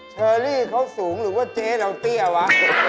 เชอรี่เขาสูงหรือว่าเจ๊เราเตี้ยวะ